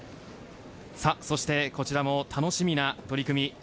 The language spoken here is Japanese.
そして、こちらも楽しみな取組。